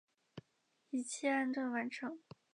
一切安顿完成